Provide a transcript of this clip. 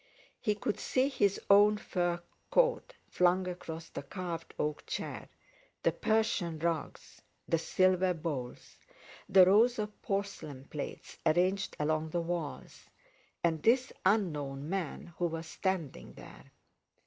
He could see his own fur coat flung across the carved oak chair; the Persian rugs; the silver bowls, the rows of porcelain plates arranged along the walls, and this unknown man who was standing there.